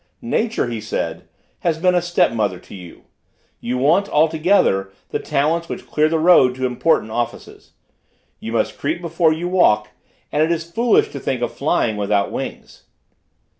"Nature," he said, "has been a step mother to you; you want, altogether, the talents which clear the road to important offices. You must creep before you walk; and it is foolish to think of flying without wings."